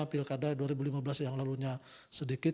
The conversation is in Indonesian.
pilkada dua ribu lima belas yang lalunya sedikit